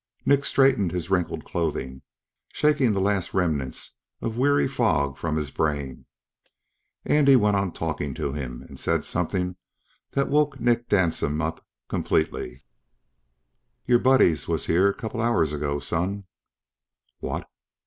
Nick straightened his wrinkled clothing, shaking the last remnants of weary fog from his brain. Andy went on talking to him and said something that woke Nick Danson up completely. "Yer buddies was here, couple o' hours ago, son." "What?"